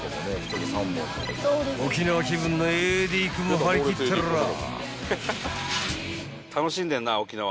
［沖縄気分のＡＤ君も張り切ってらぁ］